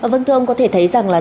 vâng thưa ông có thể thấy rằng là